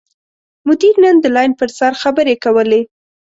مدیر نن د لین پر سر خبرې کولې.